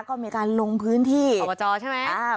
ก็มีการลงพื้นที่ออกกระจอห์ใช่ไหม